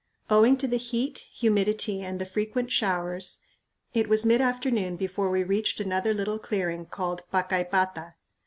Owing to the heat, humidity, and the frequent showers, it was mid afternoon before we reached another little clearing called Pacaypata.